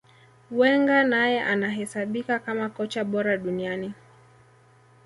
Wenger naye anahesabika kama kocha bora duniani